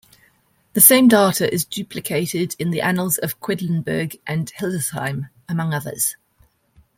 The same data is duplicated in the annals of Quedlinburg and Hildesheim, among others.